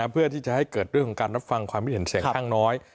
เพื่อที่จะให้เกิดเรื่องของการรับฟังความคิดเห็นเสียงข้างน้อย